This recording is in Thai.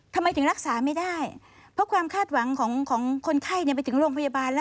ทำไมถึงรักษาไม่ได้เพราะความคาดหวังของของคนไข้ไปถึงโรงพยาบาลแล้ว